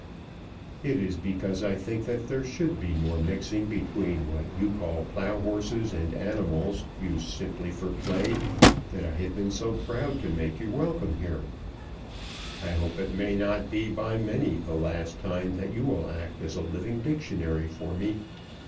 "It is because I think that there should be more mixing between what you call plough horses and animals used simply for play, that I have been so proud to make you welcome here. I hope it may not be by many the last time that you will act as a living dictionary for me.